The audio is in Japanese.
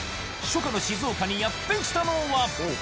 初夏の静岡にやって来たのは？